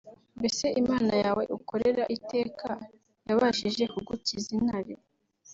mbese Imana yawe ukorera iteka yabashije kugukiza intare